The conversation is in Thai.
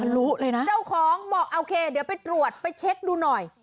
รู้เลยนะเจ้าของบอกโอเคเดี๋ยวไปตรวจไปเช็คดูหน่อย